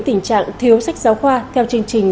tình trạng thiếu sách giáo khoa theo chương trình